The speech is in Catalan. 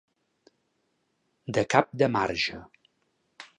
De cap de marge.